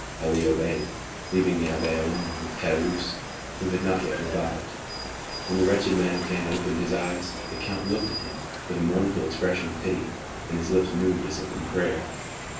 Ali obeyed, leaving the abbé alone with Caderousse, who had not yet revived. When the wretched man again opened his eyes, the count looked at him with a mournful expression of pity, and his lips moved as if in prayer.